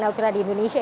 elvira di indonesia